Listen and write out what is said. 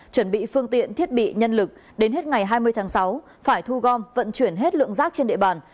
chuẩn bị phương tiện thiết bị nhân lực đến hết ngày hai mươi tháng sáu phải thu gom vận chuyển hết lượng rác trên địa bàn